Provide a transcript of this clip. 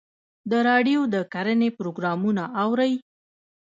د راډیو د کرنې پروګرامونه اورئ؟